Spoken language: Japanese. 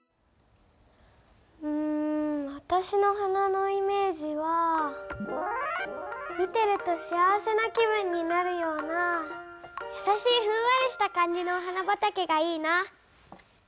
うん私の花のイメージは見てると幸せな気分になるようなやさしいふんわりした感じのお花畑がいいな。